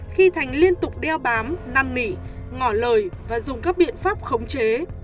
khi thành liên tục đeo bám năn nỉ ngỏ lời và dùng các biện pháp khống chế